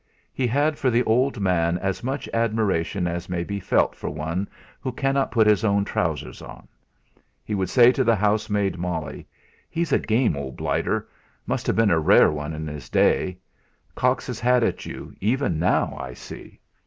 He had for the old man as much admiration as may be felt for one who cannot put his own trousers on. He would say to the housemaid Molly: "He's a game old blighter must have been a rare one in his day. Cocks his hat at you, even now, I see!"